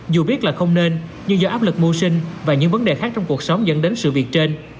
dù biết là không nên nhưng do áp lực mưu sinh và những vấn đề khác trong cuộc sống dẫn đến sự việc trên